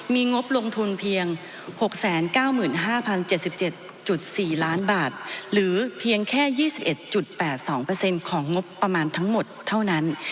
มีงบลงทุนเพียง๖๙๕๐๗๗๔ล้านบาทหรือเพียงแค่๒๑๘๒ของงบประมาณทั้งหมดเท่านั้น